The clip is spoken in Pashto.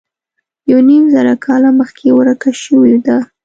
یو نیم زر کاله مخکې ورکه شوې ده.